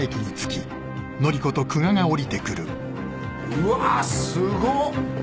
うわぁすごっ！